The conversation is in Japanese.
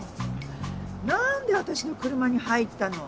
何で私の車に入ったの？